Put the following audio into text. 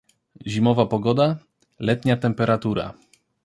Zimowa pogoda - letnia temperatura